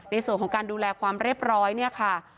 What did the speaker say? ในส่วนของการดูแลความเรียบร้อย